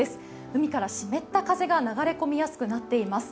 海から湿った風が流れ込みやすくなっています。